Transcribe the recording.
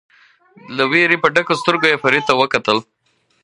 له وېرې په ډکو سترګو یې فرید ته وکتل.